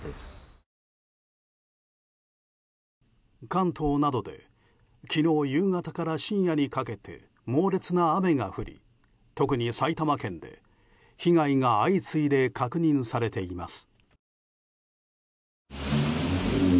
関東などで昨日夕方から深夜にかけて猛烈な雨が降り特に、埼玉県で被害が相次いで確認されています。